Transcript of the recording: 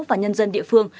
và nhân dân địa phương